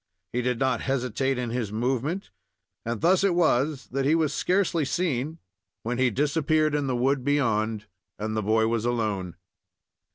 He did not hesitate in his movement, and thus it was that he was scarcely seen when he disappeared in the wood beyond, and the boy was alone.